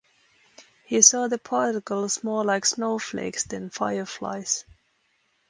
He saw the particles more like snowflakes than fireflies.